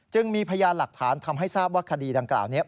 จึงมีพยานหลักฐานทำให้ทราบว่าคดีดังกล่าวนี้